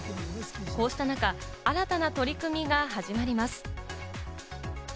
こうした中、新たな取り組みが始まります。